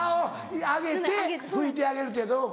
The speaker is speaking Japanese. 上げて拭いてあげるってやつ。